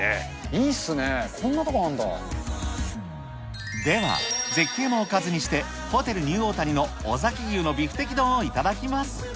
いいっすね、こんなとこあるでは、絶景をおかずにして、ホテルニューオータニの尾崎牛のビフテキ丼を頂きます。